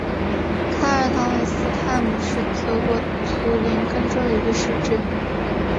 卡尔滕韦斯泰姆是德国图林根州的一个市镇。